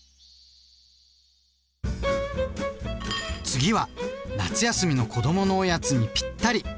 次は夏休みの子どものおやつにぴったり！